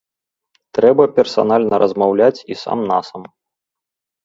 Трэба персанальна размаўляць і сам-насам.